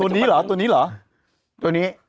ตัวนี้เหรอตัวนี้เหรอ